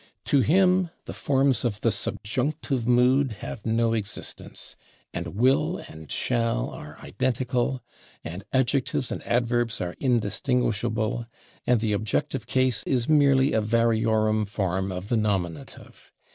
To him the forms of the subjunctive mood have no existence, and /will/ and /shall/ are identical, and adjectives and adverbs are indistinguishable, and the objective case is merely a variorum form of the nominative.